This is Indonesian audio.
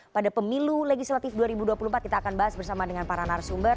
pada pemilu legislatif dua ribu dua puluh empat kita akan bahas bersama dengan para narasumber